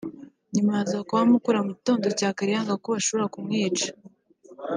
nyuma aza kuhamukura mugitondo cya kare yanga ko bashobora kumwica